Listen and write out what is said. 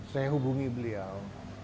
saya hubungi beliau